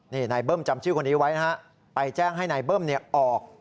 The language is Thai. นี่นายเบิ้มจำชื่อคนนี้ไว้นะฮะไปแจ้งให้นายเบิ้มออก